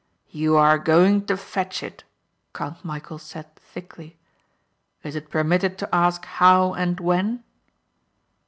"You are going to fetch it!" Count Michæl said thickly. "Is it permitted to ask how and when?"